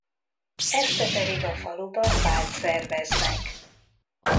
Este pedig a faluban bált szerveznek.